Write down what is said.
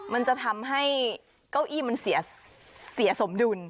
มันจะทำให้เก้าอี้มันเสียสมดุล